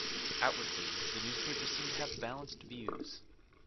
Outwardly, the newspaper seemed to have balanced views.